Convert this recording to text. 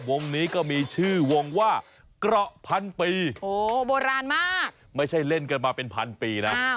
วงนี้ก็มีชื่อวงว่าเกราะพันปีโอ้โหโบราณมากไม่ใช่เล่นกันมาเป็นพันปีนะ